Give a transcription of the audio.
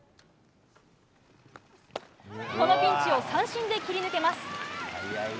このピンチを三振で切り抜けます。